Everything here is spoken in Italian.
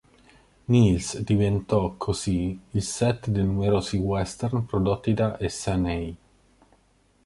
Niles diventò, così, il set dei numerosi western prodotti da Essanay.